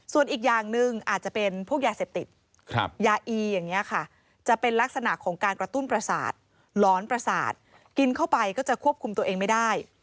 ส่วนอีกอย่างหนึ่งอาจจะเป็นพวกยาเสพติดยาอีอย่างนี้ค่ะจะเป็นลักษณะของการกระตุ้นประสาทหลอนประสาทกินเข้าไปก็จะควบคุมตัวเองไม่ได้